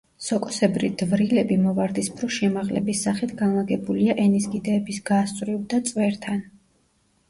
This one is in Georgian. სოკოსებრი დვრილები მოვარდისფრო შემაღლების სახით განლაგებულია ენის კიდეების გასწვრივ და წვერთან.